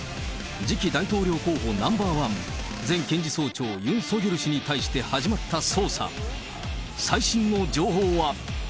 次期大統領候補ナンバー１、前検事総長、ユン・ソギョル氏に対して、始まった捜査。